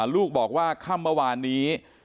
ลูกบอกว่าค่ำเมื่อวานนี้